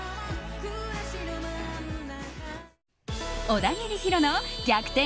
小田切ヒロの逆転！